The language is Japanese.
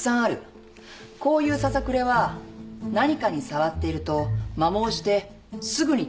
こういうささくれは何かに触っていると摩耗してすぐに取れてしまう。